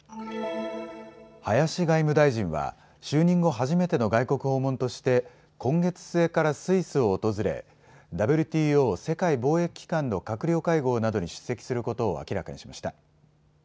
林外務大臣は就任後初めての外国訪問として今月末からスイスを訪れＷＴＯ・世界貿易機関の閣僚会合などに出席することを明らかにしました。